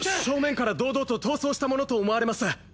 正面から堂々と逃走したものと思われます